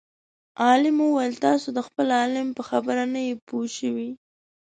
عالم وویل تاسو د خپل عالم په خبره نه یئ پوه شوي.